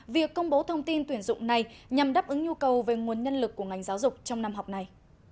việc công bố thông tin tuyển dụng này nhằm đáp ứng nhu cầu về nguồn nhân lực của ngành giáo dục trong năm học này